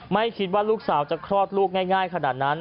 ไม่คิดว่าลูกสาวจะคลอดลูกง่ายขนาดนั้น